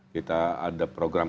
kita ada program